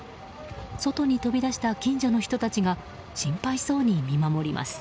外に飛び出した近所の人たちが心配そうに見守ります。